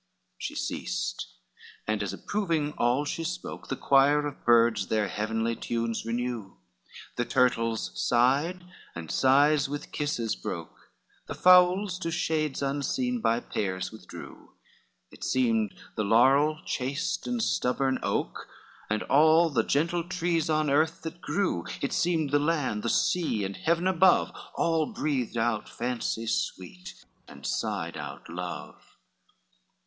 XVI He ceased, and as approving all he spoke, The choir of birds their heavenly tunes renew, The turtles sighed, and sighs with kisses broke, The fowls to shades unseen by pairs withdrew; It seemed the laurel chaste, and stubborn oak, And all the gentle trees on earth that grew, It seemed the land, the sea, and heaven above, All breathed out fancy sweet, and sighed out love.